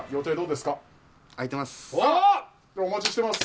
ではお待ちしてます